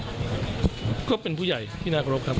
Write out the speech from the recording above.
ท่านมายุเป็นยังไงบ้างครับก็เป็นผู้ใหญ่ที่น่ากระรบครับ